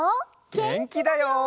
げんきだよ。